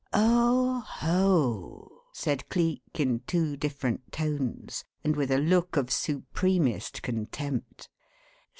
"Oho!" said Cleek, in two different tones; and with a look of supremest contempt.